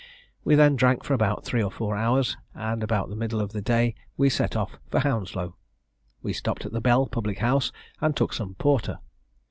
We then drank for about three or four hours, and about the middle of the day we set off for Hounslow. We stopped at the Bell public house, and took some porter.